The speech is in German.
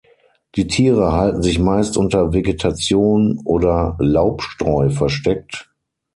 Die Tiere halten sich meist unter Vegetation oder Laubstreu versteckt.